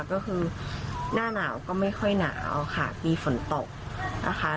ก็คือหน้าหนาวก็ไม่ค่อยหนาวค่ะมีฝนตกนะคะ